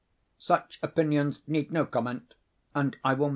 Such opinions need no comment, and I will make none.